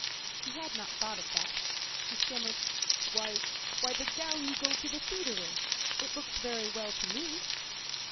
â He had not thought of that. He stammered: âWhy, the gown you go to the theatre in. It looks very well to me.